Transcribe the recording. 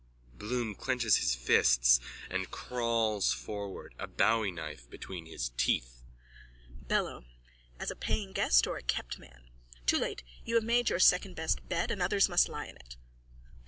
(Bloom clenches his fists and crawls forward, a bowieknife between his teeth.) BELLO: As a paying guest or a kept man? Too late. You have made your secondbest bed and others must lie in it.